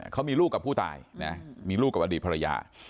เขามีลูกกับผู้ตายนะมีลูกกับอดีตภรรยา